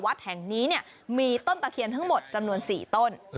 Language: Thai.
วัดแห่งนี้มีต้นตะเคียนทั้งหมดจำนวน๔ต้น